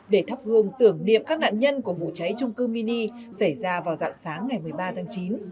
để thắp hương tưởng niệm các nạn nhân của vụ cháy trung cư mini xảy ra vào dạng sáng ngày một mươi ba tháng chín